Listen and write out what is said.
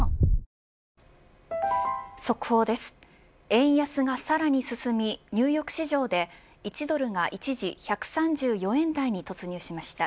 円安がさらに進みニューヨーク市場で１ドルが一時１３４円台に突入しました。